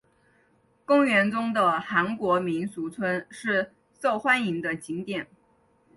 公园中的韩国民俗村是受欢迎的景点。